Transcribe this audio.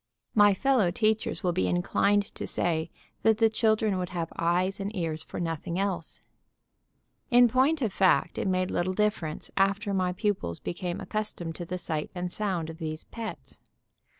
My fellow teachers will be inclined to say that the children would have eyes and ears for nothing else. In point of fact it made little difference after my pupils became accustomed to the sight and sound of these "pets."